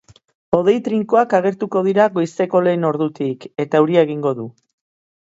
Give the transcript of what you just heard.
Hodei trinkoak agertuko dira goizeko lehen ordutik, eta euria egingo du.